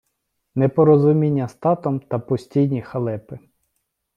непорозуміння з татом та постійні халепи